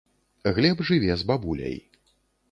Глеб жыве з бабуляй.